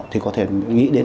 thì có thể nghĩ đến